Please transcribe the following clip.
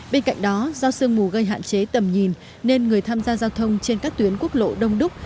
bên cạnh đó do sương mù gây hạn chế tầm nhìn nên người tham gia giao thông trên các tuyến quốc lộ đông đúc